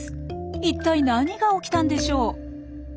いったい何が起きたんでしょう？